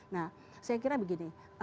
nah saya kira begini